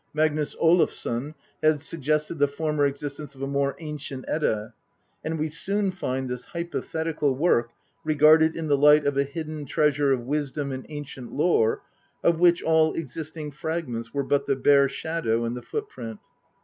Magnus Olafsson had suggested the former existence of a more " ancient Edda," and we soon find this hypothetical work regarded in the light of a hidden treasure of wisdom and ancient lore, of which all existing fragments were but "the bare shadow and the footprint."